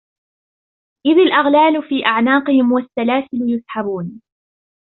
إِذِ الْأَغْلَالُ فِي أَعْنَاقِهِمْ وَالسَّلَاسِلُ يُسْحَبُونَ